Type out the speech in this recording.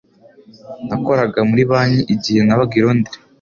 Nakoraga muri banki igihe nabaga i Londres.